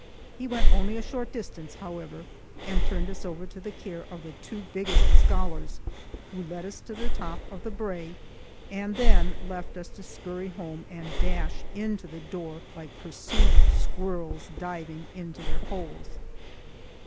He went only a short distance, however, and turned us over to the care of the two biggest scholars, who led us to the top of the Brae and then left us to scurry home and dash into the door like pursued squirrels diving into their holes.